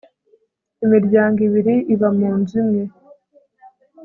imiryango ibiri iba munzu imwe